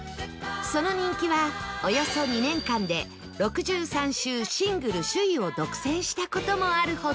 その人気はおよそ２年間で６３週シングル首位を独占した事もあるほど